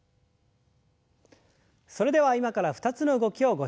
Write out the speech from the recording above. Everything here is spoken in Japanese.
それでは今から２つの動きをご紹介します。